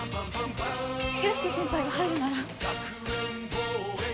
雄亮先輩が入るなら。